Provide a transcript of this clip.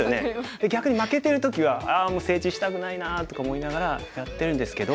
で逆に負けてる時は「ああもう整地したくないな」とか思いながらやってるんですけど。